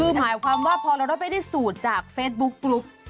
คือหมายความว่าพอเราได้ไปได้สูตรจากเฟซบุ๊กกรุ๊ป